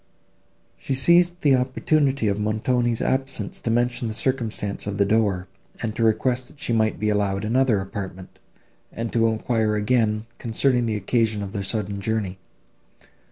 She seized the opportunity of Montoni's absence to mention the circumstance of the door, to request that she might be allowed another apartment, and to enquire again, concerning the occasion of their sudden journey.